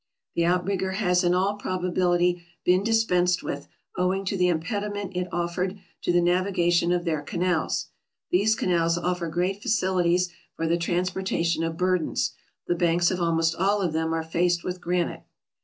The out rigger has in all probability been dispensed with, owing to the impediment it offered to the navigation of their canals ; these canals offer great facilities for the transporta tion of burdens ; the banks of almost all of them are faced with granite.